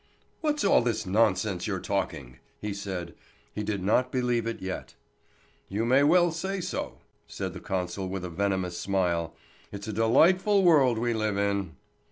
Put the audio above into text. "What's all this nonsense you're talking?" he said. He did not believe it yet. "You may well say so," said the consul with a venomous smile. "It's a delightful world we live in!"